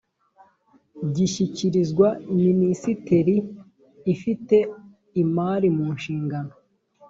gishyikirizwa minisiteri ifite imari mu nshingano